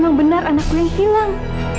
memang benar anakku yang hilang